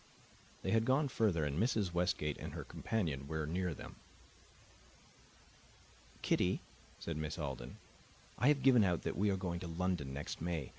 They had gone further, and Mrs. Westgate and her companion were near them. "Kitty," said Miss Alden, "I have given out that we are going to London next May.